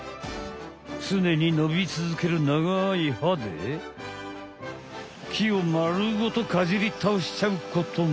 つねにのびつづけるながい歯で木をまるごとかじりたおしちゃうことも。